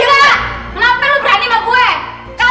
kenapa kamu berani dengan saya